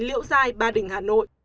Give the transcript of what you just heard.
hai mươi chín liễu giai ba đình hà nội